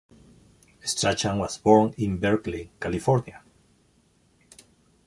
Strachan was born in Berkeley, California.